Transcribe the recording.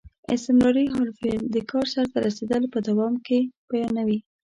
استمراري حال فعل د کار سرته رسېدل په دوام کې بیانیوي.